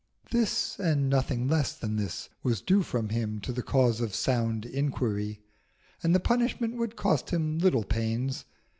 This, and nothing less than this, was due from him to the cause of sound inquiry; and the punishment would cost him little pains.